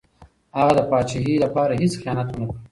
هغه د پاچاهۍ لپاره هېڅ خیانت ونه کړ.